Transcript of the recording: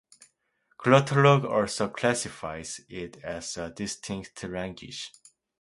Glottolog also classifies it as a distinct language.